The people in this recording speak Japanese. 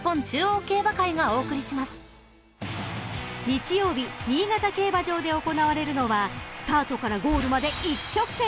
［日曜日新潟競馬場で行われるのはスタートからゴールまで一直線